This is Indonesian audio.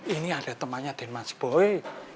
ini ada temannya den mas boy